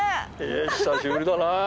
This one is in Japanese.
久しぶりだなぁ。